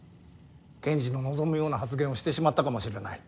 検事の望むような発言をしてしまったかもしれない。